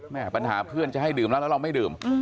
ปัญหาเพื่อนจะให้ดื่มแล้วแล้วเราไม่ดื่ม